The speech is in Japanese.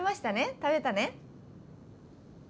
食べたね？